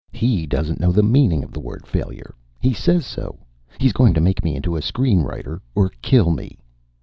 "He doesn't know the meaning of the word failure. He says so. He's going to make me into a screen writer or kill me."